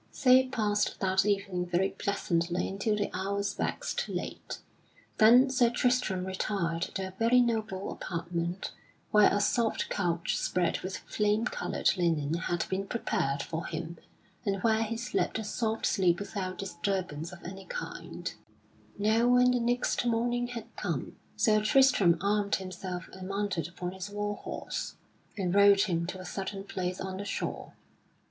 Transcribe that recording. So passed that evening very pleasantly until the hours waxed late. Then Sir Tristram retired to a very noble apartment where a soft couch spread with flame colored linen had been prepared for him, and where he slept a soft sleep without disturbance of any kind. [Sidenote: Sir Tristram departs for the island of Sir Nabon] Now when the next morning had come, Sir Tristram armed himself and mounted upon his war horse, and rode him to a certain place on the shore.